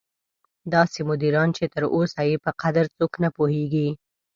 داسې مدیران چې تر اوسه یې په قدر څوک نه پوهېږي.